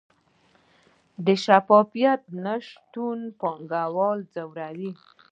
د شفافیت نشتون پانګوال ځوروي؟